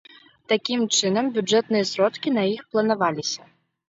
Такім чынам, бюджэтныя сродкі на іх планаваліся.